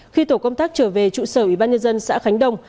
khi tổ công tác trở về trụ sở ủy ban nhân dân xã khánh đông